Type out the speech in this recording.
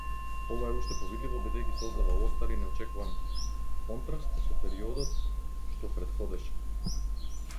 Ова е уште повидливо бидејќи создава остар и неочекуван контраст со периодот што претходеше.